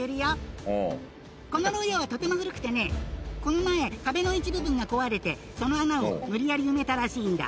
この牢屋はとても古くてね、この前、壁の一部分が壊れて、その穴を無理やり埋めたらしいんだ。